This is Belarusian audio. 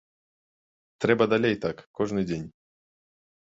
Трэба далей так, кожны дзень.